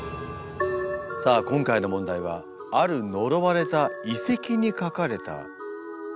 さあ今回の問題はある呪われた遺跡にかかれた謎の数式です。